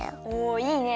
おいいね。